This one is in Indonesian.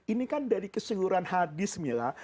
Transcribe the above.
ini kan dari keseluruhan hadis mila